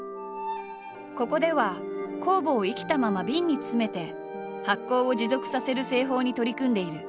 ここでは酵母を生きたままビンに詰めて発酵を持続させる製法に取り組んでいる。